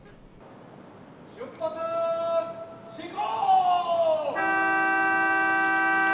出発進行！